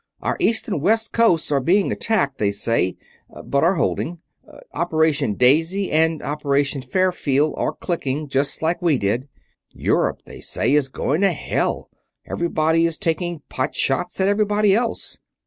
Our east and west coasts are both being attacked, they say; but are holding. Operation Daisy and Operation Fairfield are clicking, just like we did. Europe, they say, is going to hell everybody is taking pot shots at everybody else.